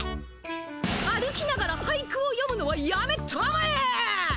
歩きながら俳句をよむのはやめたまえ！